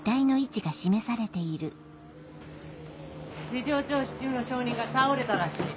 事情聴取中の証人が倒れたらしい。